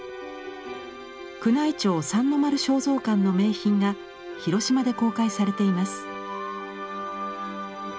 宮内庁三の丸尚蔵館の名品が広島で公開されています。